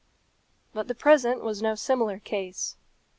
But the present was no similar case.